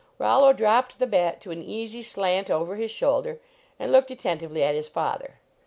Rollo dropped the bat to an easy slant over his shoulder and looked attentively at his father.